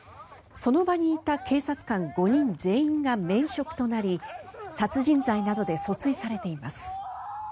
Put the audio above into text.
その場にいた警察官５人全員が免職となり殺人罪などで訴追されています。